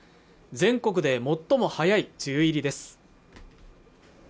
全国で最も早い梅雨入りです